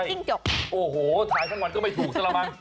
จิ้งจกโอ้โหถ่ายทั้งวันก็ไม่ถูกซะละมั้ง